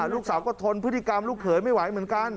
ลูกสาวก็ทนพฤติกรรมลูกเขยไม่ไหวเหมือนกัน